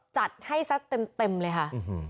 จัดให้ซะเต็มเลยค่ะ